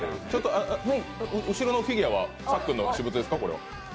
後ろのフィギュアはさっくんの私物ですか？